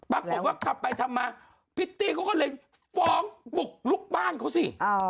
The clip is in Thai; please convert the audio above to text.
ปรากฏว่าขับไปทำมาพิตตี้เขาก็เลยฟ้องบุกลุกบ้านเขาสิ